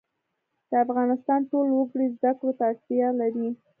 د افغانستان ټول وګړي زده کړو ته اړتیا لري